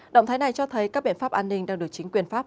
động thái này cho thấy các biện pháp an ninh đang được chính quyền pháp